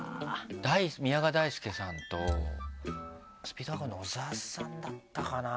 宮川大輔さんとスピードワゴンの小沢さんだったかな？